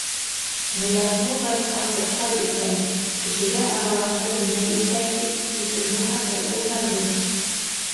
Ныязғол бай һаҫыҡ бай икән, кешегә аралаша белмәй икән тип, исемде һатыр ул, мәлғүн.